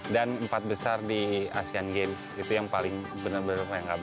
dan empat besar di asean games itu yang paling benar benar mengagumkan